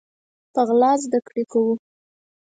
په غلا زده کړي کوو